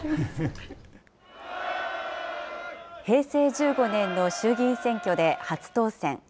平成１５年の衆議院選挙で初当選。